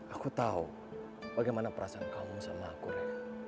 aku tahu bagaimana perasaan kamu sama aku rey